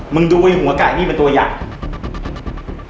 มึงดูไว้หัวไก่นี่เป็นตัวยักษ์